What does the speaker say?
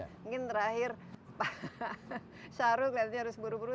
mungkin terakhir pak syaruk liatnya harus buru buru